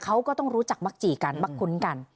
เขาก็ต้องรู้จักมักจีกันมักคุ้นกัน